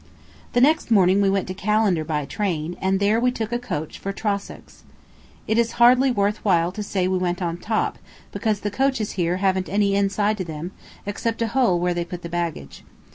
The next morning we went to Callander by train, and there we took a coach for Trossachs. It is hardly worth while to say we went on top, because the coaches here haven't any inside to them, except a hole where they put the baggage.